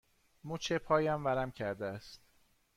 مچ پایم ورم کرده است.